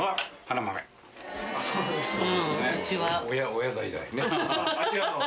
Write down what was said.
そうですね。